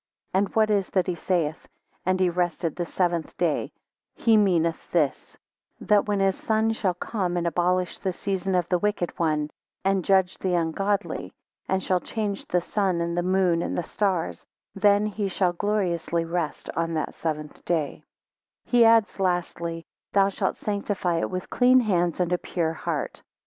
6 And what is that he saith, And he rested the seventh day he meaneth this: that when his Son shall come, and abolish the season of the Wicked One, and judge the ungodly; and shall change the sun and the moon, and the stars; then he shall gloriously rest on that seventh day, 7 He adds, lastly: Thou shalt sanctify it with clean hands and a pure heart.